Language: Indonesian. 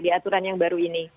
di aturan yang baru ini